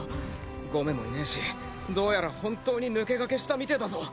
ゴメもいねえしどうやら本当に抜け駆けしたみてえだぞ。